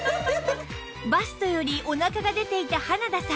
バストよりお腹が出ていた花田さん